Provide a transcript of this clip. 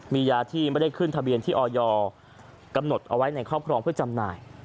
มียาที่ไม่ได้ขึ้นทะเบียนที่ออยกำหนดเอาไว้ในครอบครองเพื่อจำหน่าย